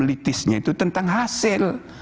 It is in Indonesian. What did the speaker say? politisnya itu tentang hasil